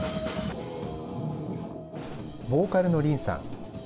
ボーカルのリンさん。